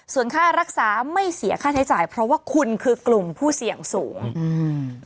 ส่วนค่ารักษาไม่เสียค่าใช้จ่ายเพราะว่าคุณคือกลุ่มผู้เสี่ยงสูงอืม